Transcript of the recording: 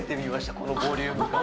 このボリューム感。